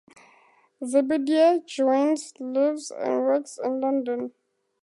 Zebedee Jones lives and works in London.